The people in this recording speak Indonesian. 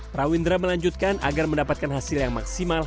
prawindra melanjutkan agar mendapatkan hasil yang maksimal